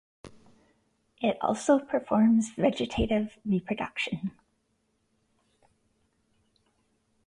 It also performs vegetative reproduction.